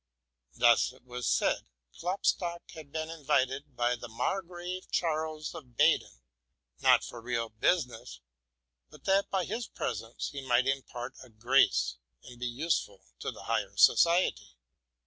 Thus, it was said, Klopstock had been invited by the Margrave Charles of Baden, not for real business, but that by his presence he might impart a grace and be useful to the higher society.